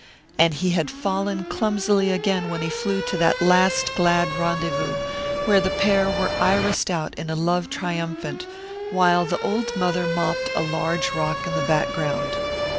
And he had fallen clumsily again when he flew to that last glad rendezvous where the pair were irised out in a love triumphant, while the old mother mopped a large rock in the background.